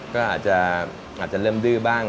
ก็อาจจะเริ่มดื้อบ้าง